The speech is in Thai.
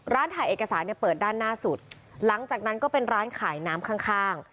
ถ่ายเอกสารเนี่ยเปิดด้านหน้าสุดหลังจากนั้นก็เป็นร้านขายน้ำข้าง